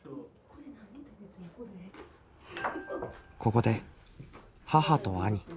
ここで母と兄。